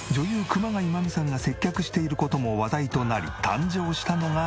熊谷真実さんが接客している事も話題となり誕生したのが。